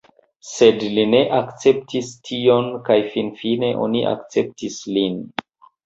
Sed li ne akceptis tion kaj finfine oni akceptis lin.